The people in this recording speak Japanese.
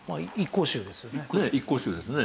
一向宗ですよね。